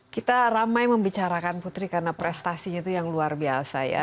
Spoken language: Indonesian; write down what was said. kita ramai membicarakan putri karena prestasinya itu yang luar biasa ya